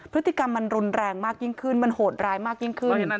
พฤติกรรมมันรุนแรงมากยิ่งขึ้นมันโหดร้ายมากยิ่งขึ้น